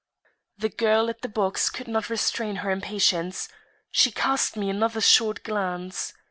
The girl at the box could not restrain her impatience. She cast me another short glance.